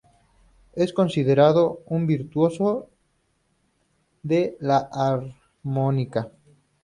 Es considerado un virtuoso de la armónica.